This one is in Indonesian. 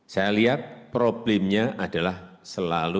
saya lihat problemnya adalah selalu